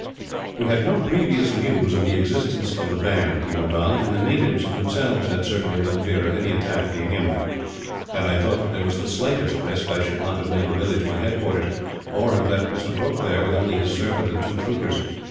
"We had no previous news of the existence of the band," he went on, "and the natives, themselves, had certainly no fear of any attack being imminent. Had I thought that there was the slightest risk, I should not have made the village my headquarters; or have left Mr. Brooke there, with only his servant and two troopers.